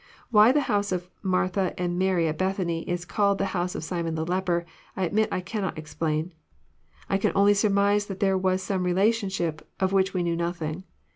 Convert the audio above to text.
— Why the honse of Martha and Mary at Bethany is called the house of Simon the leper, I admit I cannot explain. I can only snrmise that there was some relationship of which we know nothing.